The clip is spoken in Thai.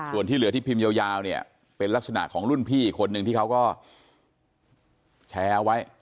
ส่วนที่เหลือที่พิมพ์ยาวเนี่ยเป็นลักษณะของรุ่นพี่อีกคนนึงที่เขาก็แชร์เอาไว้